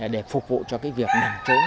để phục vụ cho cái việc nằm trốn